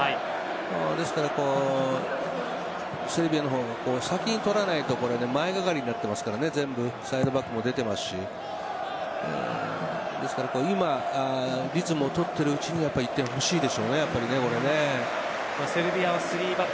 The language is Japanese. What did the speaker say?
ですからセルビアの方が先に取らないとこれ前がかりになってますからね全部サイドバックも出てますし今リズムを取っているうちに１点欲しいでしょうね、セルビアは３バック。